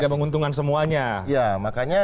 tidak menguntungkan semuanya ya makanya